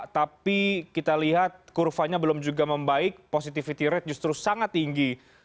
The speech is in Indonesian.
tapi kita lihat kurvanya belum juga membaik positivity rate justru sangat tinggi